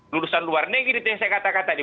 lulusan luar negeri itu yang saya katakan tadi